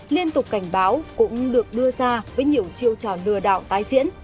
liên tục cảnh báo cũng được đưa ra với nhiều chiêu trò lừa đảo tái diễn